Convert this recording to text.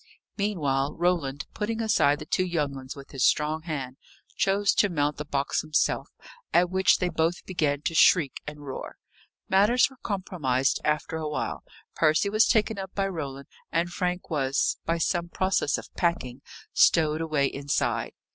Meanwhile, Roland, putting aside the two young ones with his strong hand, chose to mount the box himself; at which they both began to shriek and roar. Matters were compromised after a while; Percy was taken up by Roland, and Frank was, by some process of packing, stowed away inside.